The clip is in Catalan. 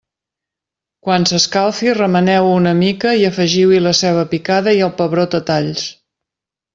Quan s'escalfi, remeneu-ho una mica i afegiu-hi la ceba picada i el pebrot a talls.